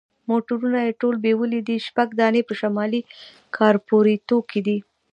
موټرونه یې ټول بیولي دي، شپږ دانې په شمالي کارپوریتو کې دي.